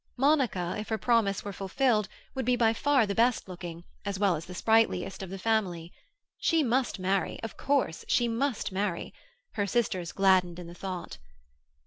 Monica, if her promise were fulfilled, would be by far the best looking, as well as the sprightliest, of the family. She must marry; of course she must marry! Her sisters gladdened in the thought.